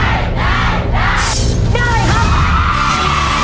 เพราะฉะนั้นช่วงหน้ามาเอาใจช่วยและลุ้นไปพร้อมกันนะครับ